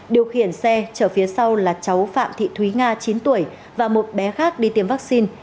điều khiển xe chở phía sau là cháu phạm thị thúy nga chín tuổi và một bé khác đi tiêm vaccine